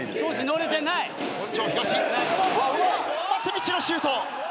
松道のシュート。